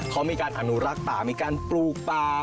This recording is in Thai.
เขามีการอนุรักษ์ป่ามีการปลูกป่า